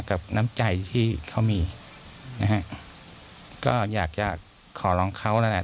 กับน้ำใจที่เขามีนะฮะก็อยากจะขอร้องเขานั่นแหละ